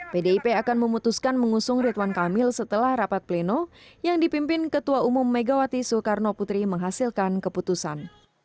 pdip akan memutuskan mengusung ridwan kamil setelah rapat pleno yang dipimpin ketua umum megawati soekarno putri menghasilkan keputusan